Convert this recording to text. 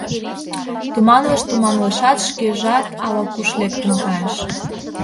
— Туманлыш-туманлышат, шкежат ала-куш лектын кайыш.